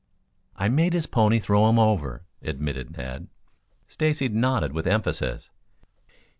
"I made his pony throw him over," admitted Ned. Stacy nodded with emphasis.